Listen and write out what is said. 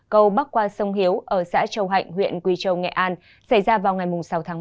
cầu bắc qua sông hiếu ở xã châu hạnh huyện quỳ châu nghệ an xảy ra vào ngày sáu tháng ba